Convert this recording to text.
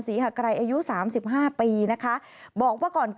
มีเกือบไปชนิดนึงนะครับ